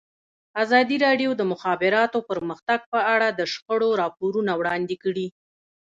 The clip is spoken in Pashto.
ازادي راډیو د د مخابراتو پرمختګ په اړه د شخړو راپورونه وړاندې کړي.